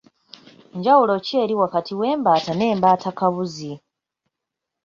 Njawulo ki eri wakati w'embaata n'embaatakabuzi?